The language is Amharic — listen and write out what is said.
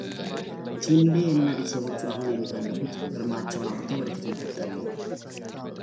ቲምቤ እና ቤተቦቹ አሁን የሚፈልጉት እርማቸውን አውጥተው ወደፊት መቀጠል ነው።